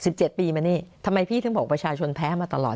สิบเจ็ดปีมานี่ทำไมพี่ถึงบอกประชาชนแพ้มาตลอด